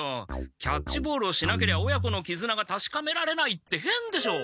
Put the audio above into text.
キャッチボールをしなけりゃ親子のきずながたしかめられないってへんでしょう！？